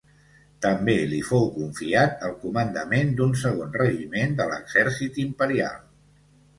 També li fou confiat el comandament d'un segon regiment de l'Exèrcit Imperial.